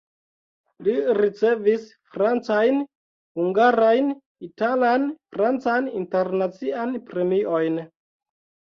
Li ricevis francajn, hungarajn, italan, francan, internacian premiojn.